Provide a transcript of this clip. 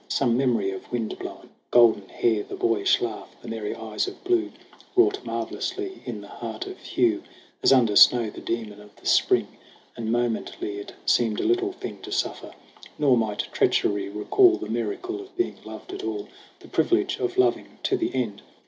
Some memory of wind blown golden hair, The boyish laugh, the merry eyes of blue, Wrought marvelously in the heart of Hugh, As under snow the daemon of the Spring. And momently it seemed a little thing To suffer; nor might treachery recall The miracle of being loved at all, The privilege of loving to the end.